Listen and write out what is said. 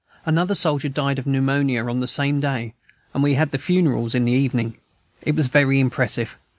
Another soldier died of pneumonia on the same day, and we had the funerals in the evening. It was very impressive.